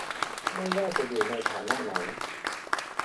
ไว้ว่าจะอยู่ในฐานะไหน